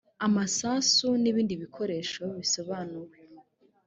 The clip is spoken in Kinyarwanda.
amasasu n’ ibindi bikoresho bisobanuwe